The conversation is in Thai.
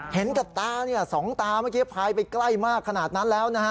เห็นกับตาสองตาเมื่อกี้พายไปใกล้มากขนาดนั้นแล้วนะฮะ